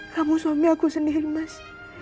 kamu suami aku sendiri mas